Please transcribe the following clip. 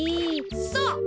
そう！